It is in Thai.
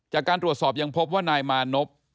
จากการตรวจสอบยังพบว่านายมานพ